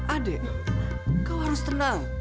adek kau harus tenang